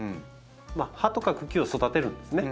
葉とか茎を育てるんですね。